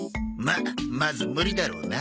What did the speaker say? まあまず無理だろうな。